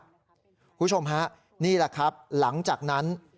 คุณผู้ชมฮะนี่แหละครับหลังจากนั้น